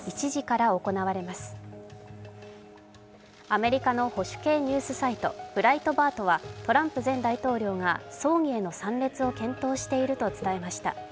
アメリカの保守系ニュースサイト、ブライトバードは、トランプ前大統領が葬儀への参列を検討していると伝えました。